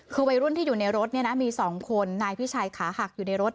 คือวัยรุ่นที่อยู่ในรถมี๒คนนายพิชัยขาหักอยู่ในรถ